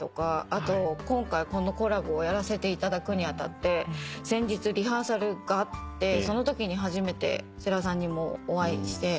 あと今回このコラボをやらせていただくに当たって先日リハーサルがあってそのときに初めて世良さんにもお会いして。